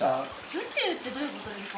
宇宙ってどういうことですか？